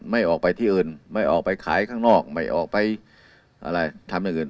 ไม่ออกไปที่อื่นไม่ออกไปขายข้างนอกไม่ออกไปอะไรทำอย่างอื่น